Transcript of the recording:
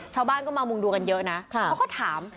ชาวบ้านก็มามุงดูกันเยอะนะเขาก็ถาม